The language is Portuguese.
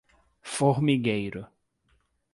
Formigueiro